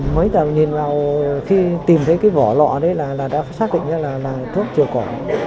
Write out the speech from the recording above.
mấy tầm nhìn vào khi tìm thấy cái vỏ lọ đấy là đã xác định ra là thuốc trừ cỏ